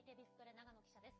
長野記者です。